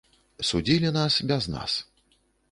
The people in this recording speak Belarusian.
Судзілі нас без нас.